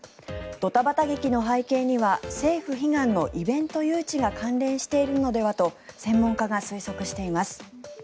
ドタバタ劇の背景には政府悲願のイベント誘致が関連しているのではと専門家が推測しています。